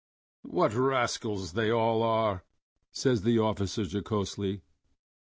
"What rascals they all are!" says the officer jocosely.